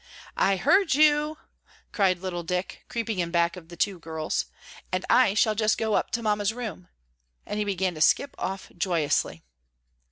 "I heard you," cried little Dick, creeping in back of the two girls, "and I shall just go up to Mamma's room," and he began to skip off joyously.